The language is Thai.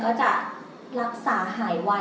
จะรักษาหายไว